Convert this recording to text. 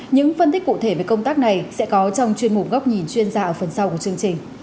những phân tích cụ thể về công tác này sẽ có trong chuyên mục góc nhìn chuyên gia ở phần sau của chương trình